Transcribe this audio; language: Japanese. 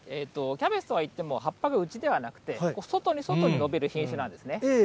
キャベツとはいっても葉っぱがうちではなくて、外に外に伸びる品種なんですね。